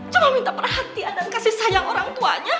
coba minta perhatian dan kasih sayang orang tuanya